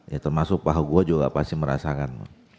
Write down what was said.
ya termasuk pak hugo juga pasti merasakan